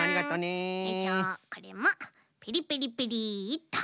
これもペリペリペリと。